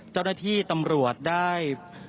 เจ้าหน้าที่ตำรวจได้